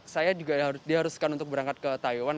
saya juga diharuskan untuk berangkat ke taiwan